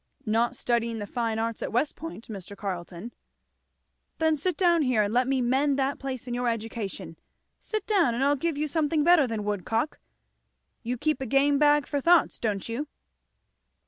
"Not studying the fine arts at West Point, Mr. Carleton." "Then sit down here and let me mend that place in your education. Sit down! and I'll give you something better than woodcock. You keep a game bag for thoughts, don't you?"